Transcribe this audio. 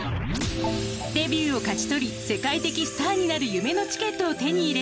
デビューを勝ち取り世界的スターになる夢のチケットを手に入れたい。